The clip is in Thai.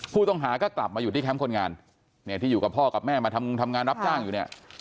ผู้ต้องหาก็กลับมาอยู่ที่แคมป์คนงานเนี่ยที่อยู่กับพ่อกับแม่มาทำงานรับจ้างอยู่เนี่ย